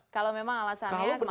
kalau memang alasannya kemanusiaan ya